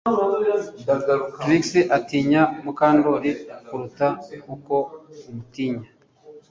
Trix atinya Mukandoli kuruta uko amutinya